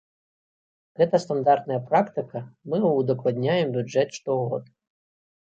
Гэта стандартная практыка, мы ўдакладняем бюджэт штогод.